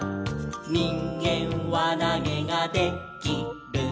「にんげんわなげがで・き・る」